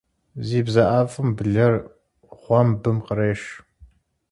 Зи бзэ IэфIым блэр гъуэмбым къреш.